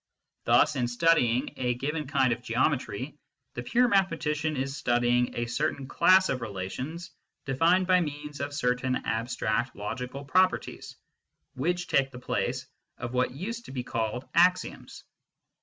Thus in studying a given kind of geometry the pure mathematician is studying a certain class of relations defined by means of certain abstract logical properties which take the place of what used to be called axioms.